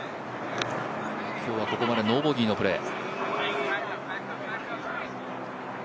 今日はここまでノーボギーのプレー。